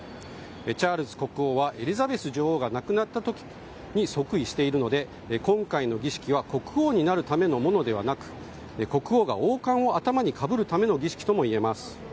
チャールズ国王はエリザベス女王が亡くなった時に即位しているので今回は国王になるためのものではなく国王が王冠を頭にかぶるための儀式ともいえます。